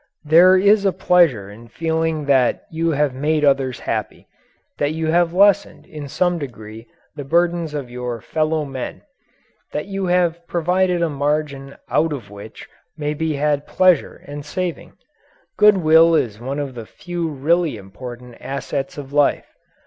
There is a pleasure in feeling that you have made others happy that you have lessened in some degree the burdens of your fellow men that you have provided a margin out of which may be had pleasure and saving. Good will is one of the few really important assets of life.